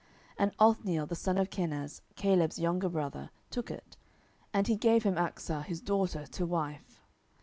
07:001:013 And Othniel the son of Kenaz, Caleb's younger brother, took it: and he gave him Achsah his daughter to wife.